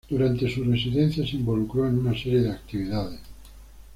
Durante su residencia, se involucró en una serie de actividades.